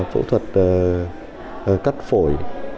phẫu thuật cắt phổi